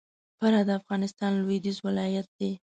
فراه د افغانستان لوېدیځ ولایت دی